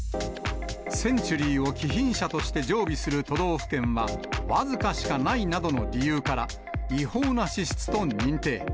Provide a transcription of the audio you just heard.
センチュリーを貴賓車として常備する都道府県は、僅かしかないなどの理由から、違法な支出と認定。